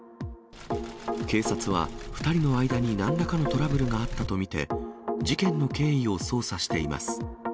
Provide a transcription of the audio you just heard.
警察は２人の間になんらかのトラブルがあったと見て、事件の経緯を捜査しています。